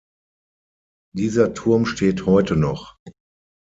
Dieser Turm steht heute noch.